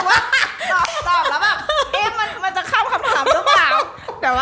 ตอบเสมอว่ามันจะคั้มคำถามรึเปล่า